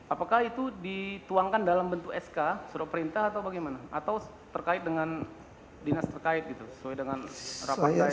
apakah itu dituangkan dalam bentuk sk suruh perintah atau bagaimana atau terkait dengan dinas terkait